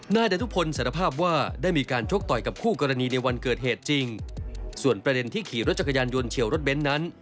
นายดารุพลสารภาพว่าได้มีการชกต่อยกับคู่กรณีในวันเกิดเหตุจริงส่วนประเด็นที่ขี่รถจักรยานยนต์เฉียวรถเบ้นนั้น